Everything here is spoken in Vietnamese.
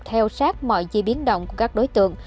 theo sát mọi di biến động của các đối tượng